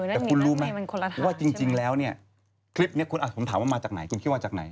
แต่คุณรู้ไหมว่าจริงแล้วเนี่ยคลิปนี้ผมถามว่ามาจากไหนคุณคิดว่าจากไหน